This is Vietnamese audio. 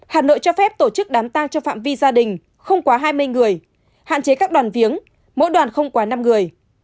hà nội cho phép tổ chức đám tang cho phạm vi gia đình không quá hai mươi người hạn chế các đoàn viếng mỗi đoàn không quá năm người